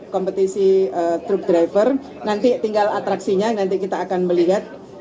kompetisi truk driver nanti tinggal atraksinya nanti kita akan melihat